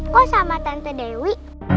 kau sama tante dewi